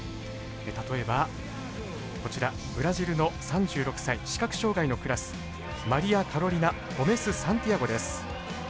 例えば、ブラジルの３６歳視覚障がいのクラスマリアカロリナ・ゴメスサンティアゴです。